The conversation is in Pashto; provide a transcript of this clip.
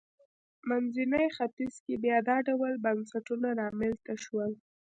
منځني ختیځ کې بیا دا ډول بنسټونه رامنځته شول.